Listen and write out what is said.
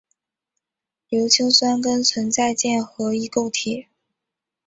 硫氰酸根存在键合异构体。